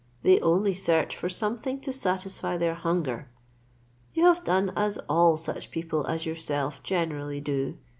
They only search for something to satisfy their hunger. You have done as all such people as yourself generally do.